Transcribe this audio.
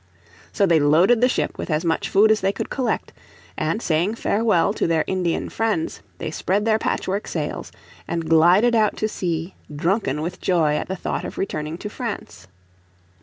So they loaded the ship with as much food as they could collect, and saying farewell to their Indian friends, they spread their patchwork sails, and glided out to sea drunken with joy at the thought of returning to France.